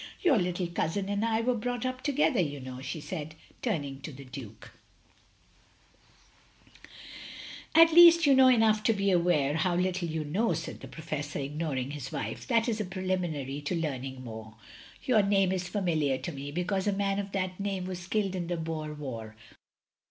"Your little cousin and I were brought up together, you know, " she said, turning to the Duke. J 220 THE LONELY LADY "At least you know enough to be aware how little you know," said the • Prof essor, ignoring his wife. "That is a preliminary to learning more. Your name is familiar to me, because a man of that name was killed in the Boer War.